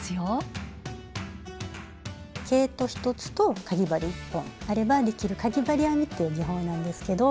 毛糸１つとかぎ針１本あればできるかぎ針編みっていう技法なんですけど。